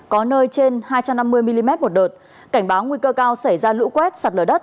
có nơi trên hai trăm năm mươi mm một đợt cảnh báo nguy cơ cao xảy ra lũ quét sạt lở đất